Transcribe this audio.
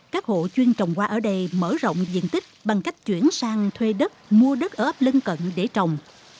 các hộ chuyên trồng hoa ở đây mở rộng diện tích bằng cách chuyển sang thuê đất mua đất ở ấp lân cận để trồng